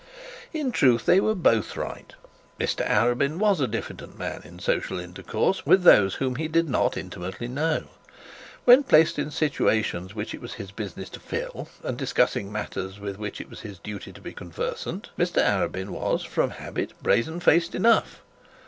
In truth they were both right. Mr Arabin was a diffident man in social intercourse with those whom he did not intimately know; when placed in situations which it was his business to fill, and discussing matters with which it was his duty to be conversant, Mr Arabin was from habit brazed faced enough.